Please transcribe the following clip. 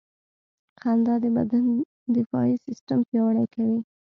• خندا د بدن دفاعي سیستم پیاوړی کوي.